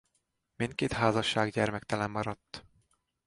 Mindkét házasság gyermektelen maradt.